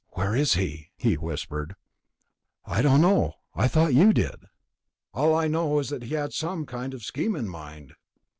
"Where is he?" he whispered. "I don't know. Thought you did...." "All I know is that he had some kind of scheme in mind."